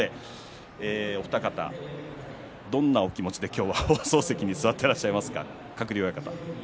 お二方、どんなお気持ちで放送席に座っていらっしゃいますか？